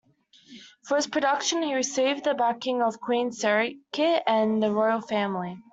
For his production, he received the backing of Queen Sirikit and the royal family.